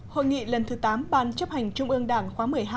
hội nghị lần thứ tám ban chấp hành trung ương đảng khóa một mươi hai